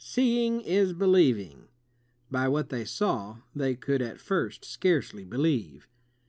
''Seeing is believing," but what they saw, they could at first scarcely believe.